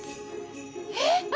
えっ⁉